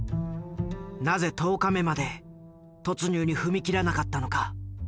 なぜ１０日目まで突入に踏み切らなかったのか。